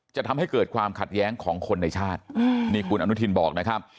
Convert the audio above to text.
จะทำให้เกิดความขัดแย้งของคนในชาตินี่คุณอนุทินบอกนะครับ